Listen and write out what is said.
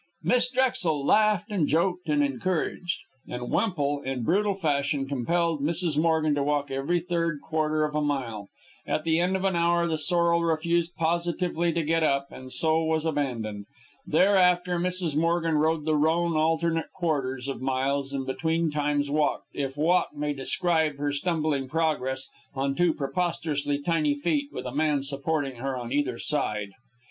Miss Drexel laughed and joked and encouraged; and Wemple, in brutal fashion, compelled Mrs. Morgan to walk every third quarter of a mile. At the end of an hour the sorrel refused positively to get up, and, so, was abandoned. Thereafter, Mrs. Morgan rode the roan alternate quarters of miles, and between times walked if walk may describe her stumbling progress on two preposterously tiny feet with a man supporting her on either side.